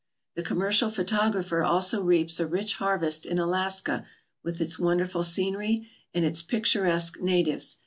The commercial photographer also reaps a rich harvest in Alaska with its wonderful scenery and its picturesque natives.